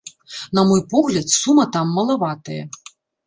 Нам мой погляд, сума там малаватая.